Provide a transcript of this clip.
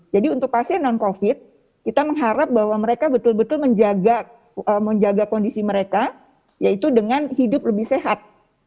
jadi untuk pasien non covid kita mengharap bahwa mereka betul betul menjaga kondisi mereka yaitu dengan hidup lebih sehat